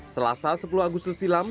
selasa sepuluh agustus silam